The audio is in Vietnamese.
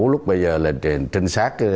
lúc bây giờ là trinh sát